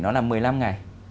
nó là một mươi năm ngày